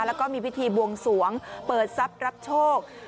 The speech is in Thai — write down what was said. แล้วก็มีพิธีบวงสวงเปิดทรัพย์รับโชค